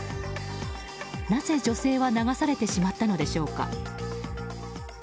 なぜ女性は流されてしまったのでしょうか。